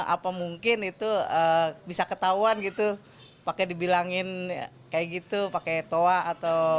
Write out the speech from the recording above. apa mungkin itu bisa ketahuan gitu pakai dibilangin kayak gitu pakai toa atau